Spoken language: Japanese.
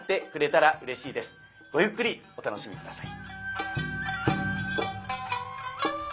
ごゆっくりお楽しみ下さい。